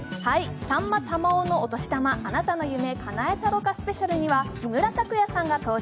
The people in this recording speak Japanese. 「さんま・玉緒のお年玉あんたの夢をかなえたろかスペシャル」には木村拓哉さんが登場。